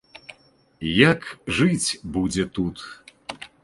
Як, жыць будзе тут?